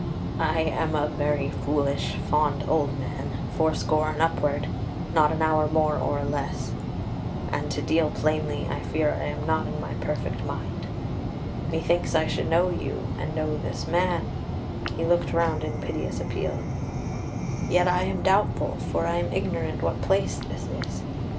"I am a very foolish, fond old man, fourscore and upward, not an hour more or less; and, to deal plainly, I fear I am not in my perfect mind. Methinks I should know you, and know this man" he looked round in piteous appeal "yet I am doubtful, for I am ignorant what place this is....